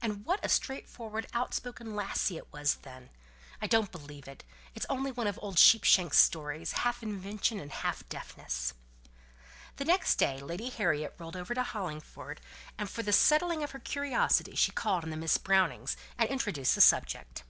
And what a straightforward, out spoken topic it was then! I don't believe it; it's only one of old Sheepshanks' stories, half invention and half deafness." The next day Lady Harriet rode over to Hollingford, and for the settling of her curiosity she called on Miss Brownings, and introduced the subject.